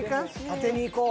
当てにいこう。